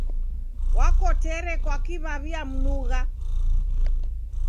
Wakotere kwaki w'aw'iamnugha.